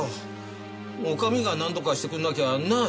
お上がなんとかしてくれなきゃなあ？